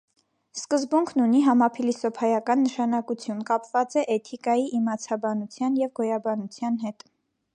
Սկզբունքն ունի համափիլիսոփայական նշանակություն. կապված է էթիկայի, իմացաբանության և գոյաբանության հետ։